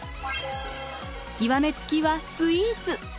極め付きはスイーツ。